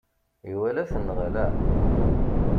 Iwala-ten neɣ ala?